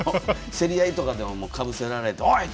競り合いとかでも、すぐにかぶせられて、おい！